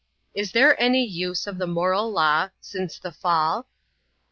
Is there any use of the moral law since the fall?